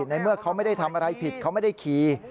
ในเมื่อเขาไม่ได้ทำอะไรผิดเขาไม่ได้ขี่